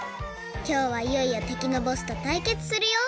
きょうはいよいよてきのボスとたいけつするよ！